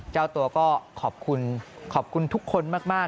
เจ้าตัวก็ขอบคุณทุกคนมาก